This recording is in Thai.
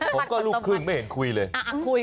ผมก็ลูกครึ่งไม่เห็นคุยเลย